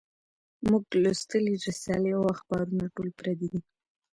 مونږ لوستي رسالې او اخبارونه ټول پردي دي